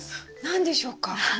何でしょうか？